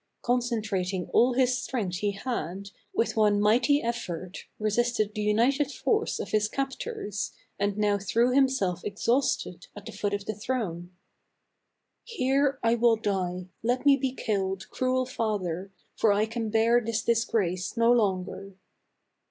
Concentrating all his strength he had, with one mighty effort, resisted the united force of his captors, and now threw himself exhausted at the foot of the throne. " Here will I die ; let me be killed, cruel father, for I can bear this disgrace no longer